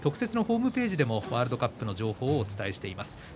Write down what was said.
また、特設のホームページでもワールドカップの情報をお伝えしています。